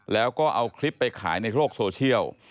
แล้วก็เอาคลิปไปขายในโลกโซเชียล